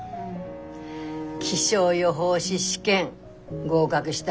気象予報士試験合格したんでしょ？